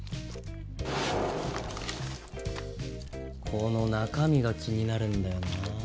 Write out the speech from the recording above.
この中身が気になるんだよな。